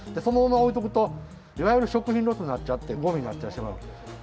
そのままおいとくといわゆる食品ロスなっちゃってごみになってしまう。